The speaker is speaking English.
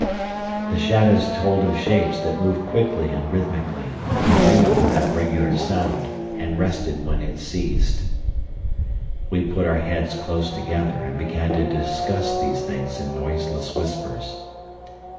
The shadows told of shapes that moved quickly and rhythmically, in agreement with that regular sound, and rested when it ceased. We put our heads close together, and began to discuss these things in noiseless whispers.